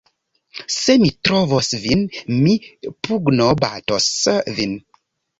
"Se mi trovos vin, mi pugnobatos vin!"